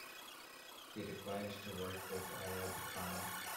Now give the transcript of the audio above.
He declined to work with Ayub Khan.